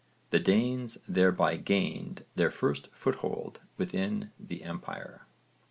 The Danes thereby gained their first foothold within the empire.